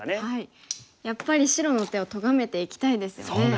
やっぱり白の手をとがめていきたいですよね。